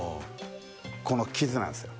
この傷なんですよ。